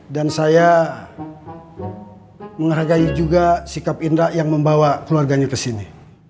dan saya menghargai juga sikap indra yang membawa keluarganya ke sini